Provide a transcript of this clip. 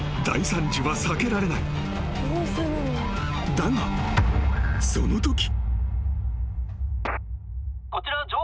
［だがそのとき］